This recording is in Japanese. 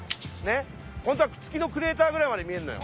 っ本当は月のクレーターぐらいまで見えるのよ。